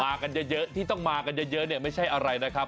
กันเยอะที่ต้องมากันเยอะเนี่ยไม่ใช่อะไรนะครับ